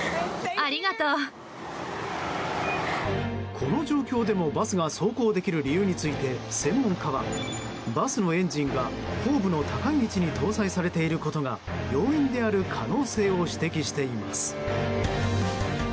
この状況でもバスが走行できる理由について、専門家はバスのエンジンが後部の高い位置に搭載されていることが要因である可能性を指摘しています。